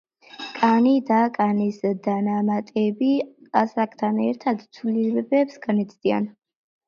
კანი და კანის დანამატები ასაკთან ერთად ცვლილებებს განიცდიან.